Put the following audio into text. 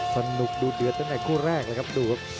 สนุกดูเดือดตั้งแต่คู่แรกเลยครับดูครับ